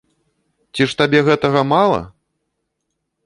Ці ж табе гэтага мала?